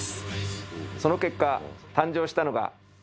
その結果誕生したのがこちら！